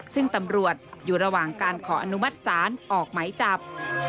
ซึ่งตำรวจอยู่ระหว่างการขออนุมัติศาลออกไหมจับ